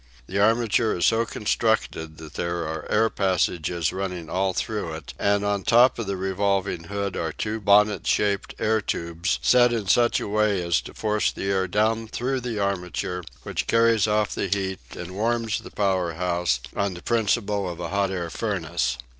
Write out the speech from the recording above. The armature is so constructed that there are air passages running all through it, and on top of the revolving hood are two bonnet shaped air tubes set in such a way as to force the air down through the armature, which carries off the heat and warms the power house, on the principle of a hot air furnace.